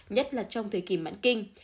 nhất là trong thời kỳ mãn kinh